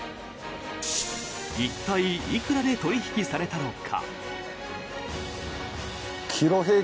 一体、いくらで取引されたのか。